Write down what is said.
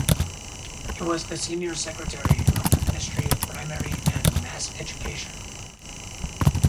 He was the Senior Secretary of the Ministry of Primary and Mass Education.